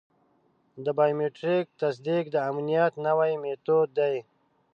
د بایومټریک تصدیق د امنیت نوی میتود دی.